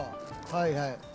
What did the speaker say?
はいはい。